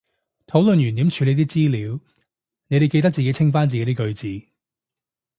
討論完點處理啲資料，你哋記得自己清返自己啲句子